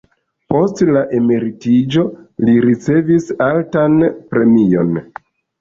Post la emeritiĝo li ricevis altan premion.